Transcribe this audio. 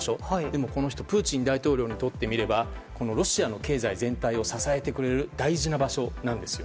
でも、プーチン大統領にとってはロシアの経済全体を支えてくれる大事な場所なんです。